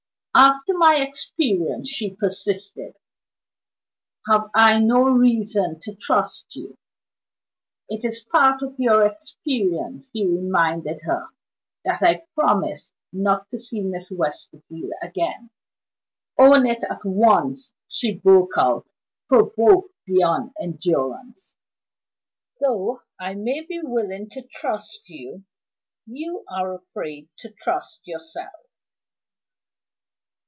"After my experience," she persisted, "have I no reason to trust you?" "It is part of your experience," he reminded her, "that I promised not to see Miss Westerfield again." "Own it at once!" she broke out, provoked beyond endurance; "though I may be willing to trust you you are afraid to trust yourself."